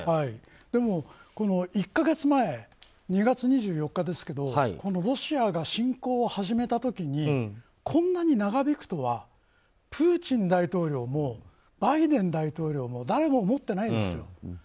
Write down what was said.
でも、１か月前２月２４日ですけどこのロシアが侵攻を始めた時にこんなに長引くとはプーチン大統領もバイデン大統領も誰も思ってないですよ。